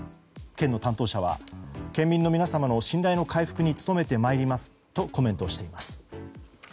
県の担当者は県民の皆様の信頼の回復に努めてまいりますとコメントしています。